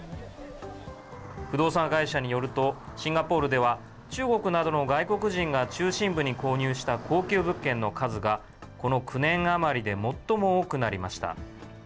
不動産会社によると、シンガポールでは中国などの外国人が中心部に購入した高級物件の数が、この９年余りで最も多くなりました。